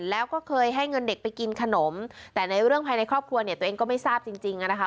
แล้วก็เคยให้เงินเด็กไปกินขนมแต่ในเรื่องภายในครอบครัวเนี่ยตัวเองก็ไม่ทราบจริงนะคะ